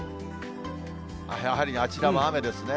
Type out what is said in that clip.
やはりあちらも雨ですね。